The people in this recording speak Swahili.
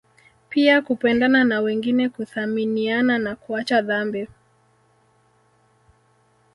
Pia kupendana na wengine kuthaminiana na kuacha dhambi